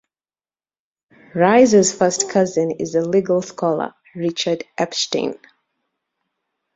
Reiser's first cousin is the legal scholar Richard Epstein.